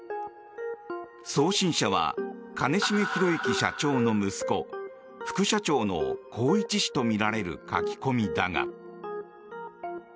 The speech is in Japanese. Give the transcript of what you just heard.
送信者は兼重宏行社長の息子副社長の宏一氏とみられる書き込みだが。